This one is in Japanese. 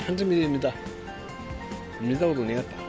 見たことねかった。